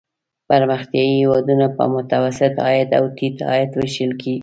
پرمختیايي هېوادونه په متوسط عاید او ټیټ عاید ویشل کیږي.